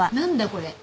これ。